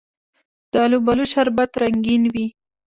د الوبالو شربت رنګین وي.